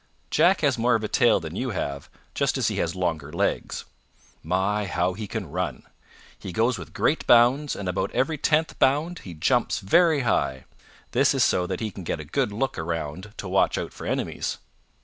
Jack has more of a tail than you have, just as he has longer legs. My, how he can run! He goes with great bounds and about every tenth bound he jumps very high. This is so that he can get a good look around to watch out for enemies."